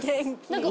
何か。